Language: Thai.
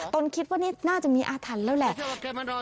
ตนคิดว่านี่น่าจะมีอาถรรพ์แล้วแหละ